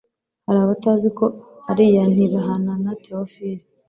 Hari abatazi ko ari iya Ntibahanana Theophlie.